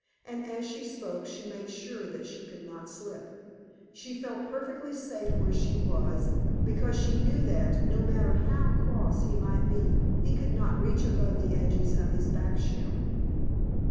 And as she spoke she made sure that she could not slip. She felt perfectly safe where she was, because she knew that, no matter how cross he might be, he could not reach above the edges of his back shell.